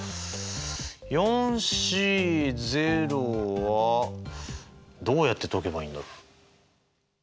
Ｃはどうやって解けばいいんだろ？